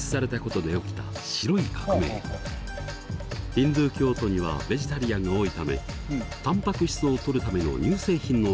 ヒンドゥー教徒にはベジタリアンが多いためたんぱく質をとるための乳製品の供給が増えたのです。